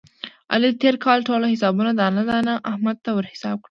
علي د تېر کال ټول حسابونه دانه دانه احمد ته ور حساب کړل.